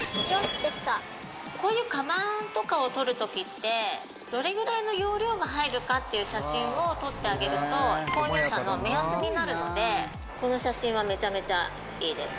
こういうかばんとかを撮るときって、どれぐらいの容量が入るかっていう写真を撮ってあげると、購入者の目安になるので、この写真はめちゃめちゃいいです。